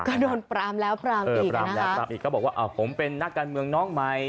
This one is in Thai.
ก็โดนปรามแล้วปรามอีกโดนปรามแล้วปรามอีกก็บอกว่าอ้าวผมเป็นนักการเมืองน้องใหม่